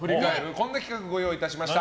こんな企画を用意しました。